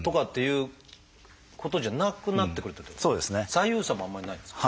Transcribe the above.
左右差もあんまりないんですか？